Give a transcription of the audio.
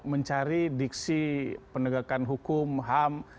mencari diksi penegakan hukum ham